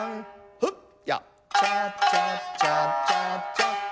フッヤッチャチャチャチャチャン。